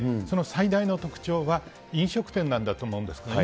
その最大の特徴は、飲食店なんだと思うんですね。